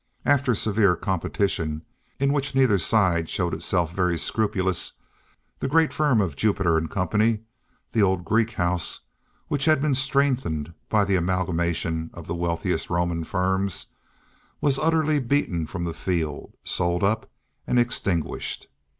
After severe competition, in which neither side showed itself very scrupulous, the great firm of Jupiter and Co., the old Greek house, which had been strengthened by the amalgamation of the wealthiest Roman firms, was utterly beaten from the field, sold up and extinguished.